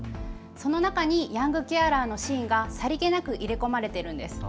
その中にヤングケアラーのシーンがさりげなく入れ込まれているんです。